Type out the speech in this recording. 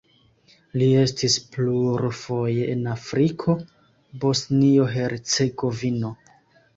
Li estis plurfoje en Afriko, Bosnio-Hercegovino.